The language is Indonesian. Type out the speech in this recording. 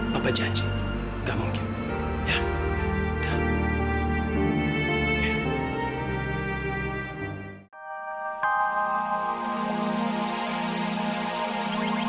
bapak janji gak mungkin